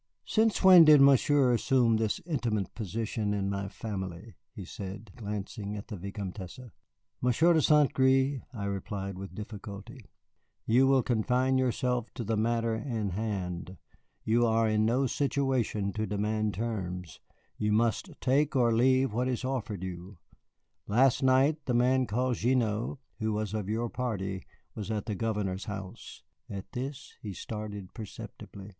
"Since when did Monsieur assume this intimate position in my family?" he said, glancing at the Vicomtesse. "Monsieur de St. Gré," I replied with difficulty, "you will confine yourself to the matter in hand. You are in no situation to demand terms; you must take or leave what is offered you. Last night the man called Gignoux, who was of your party, was at the Governor's house." At this he started perceptibly.